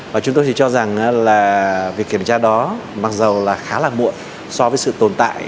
và chúng tôi thì cho rằng là việc kiểm tra đó mặc dù là khá là muộn so với sự tồn tại